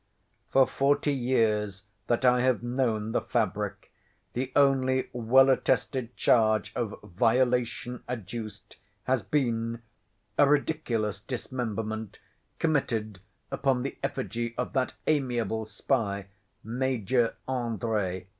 For forty years that I have known the Fabric, the only well attested charge of violation adduced, has been—a ridiculous dismemberment committed upon the effigy of that amiable spy, Major André.